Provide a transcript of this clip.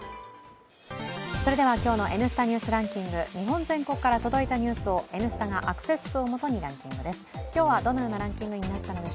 それでは、今日の「Ｎスタ」「ニュースランキング」日本全国から届いたニュースを「Ｎスタ」がアクセス数を基にランキングです。